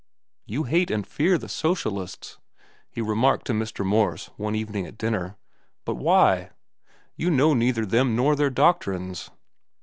"You hate and fear the socialists," he remarked to Mr. Morse, one evening at dinner; "but why? You know neither them nor their doctrines."